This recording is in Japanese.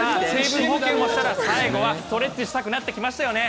水分補給をしたら最後はストレッチをしたくなってきましたよね。